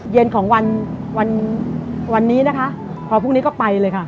เย็นของวันวันวันนี้นะคะพอพรุ่งนี้ก็ไปเลยค่ะ